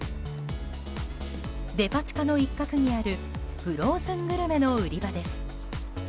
デパ地下の一角にあるフローズングルメの売り場です。